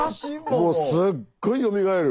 もうすっごいよみがえる。